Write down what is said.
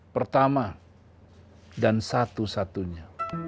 pertama dan satu satunya